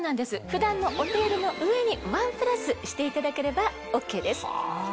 普段のお手入れの上にワンプラスしていただければＯＫです。